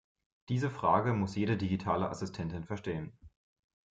Diese Frage muss jede digitale Assistentin verstehen.